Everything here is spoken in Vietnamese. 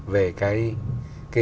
về cái hướng mà thay đổi luật thuế của mỹ